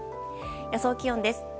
予想気温です。